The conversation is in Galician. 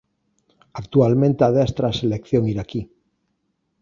Actualmente adestra a selección iraquí.